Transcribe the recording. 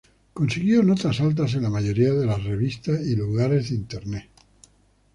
Consiguió notas altas en la mayoría de revistas y lugares de internet.